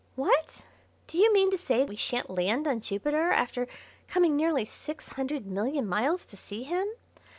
"What! do you mean to say we shan't land on Jupiter after coming nearly six hundred million miles to see him?